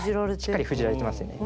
しっかり封じられてますよね。